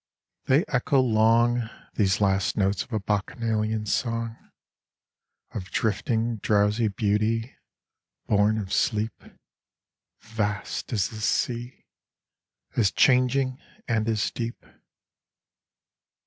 They echo long, These last notes of a Bacchanalian song, Of drifting drowsy beauty, born of sleep, — Vast as the sea, as changing and as deep.